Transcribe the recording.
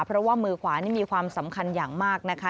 เพราะว่ามือขวานี่มีความสำคัญอย่างมากนะคะ